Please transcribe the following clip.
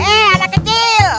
hei anak kecil